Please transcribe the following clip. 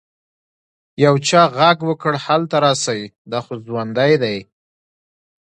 يو چا ږغ وکړ هلته راسئ دا خو ژوندى دى.